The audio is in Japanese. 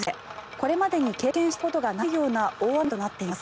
これまでに経験したことがないような大雨となっています。